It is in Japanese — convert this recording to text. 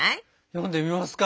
読んでみますか。